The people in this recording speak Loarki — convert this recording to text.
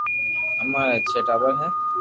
امارآ ڇي ٽاٻر ھي